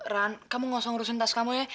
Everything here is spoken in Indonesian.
ran kamu nggak usah urusin tas kamu ya